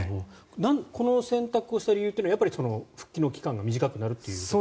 この選択をした理由というのはやっぱり復帰の期間が短くなるという？